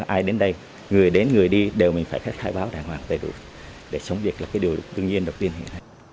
ai đến đây người đến người đi đều mình phải khách khai báo đàng hoàng đầy đủ để chống dịch là cái điều tương nhiên đầu tiên hiện nay